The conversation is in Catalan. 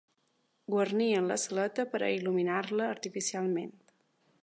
Guarnien la saleta per a il·luminar-la artificialment